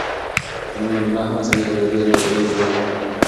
خو نن منډېلا هغه سړي ته د اوبو او ډوډۍ پوره عزت ورکړ.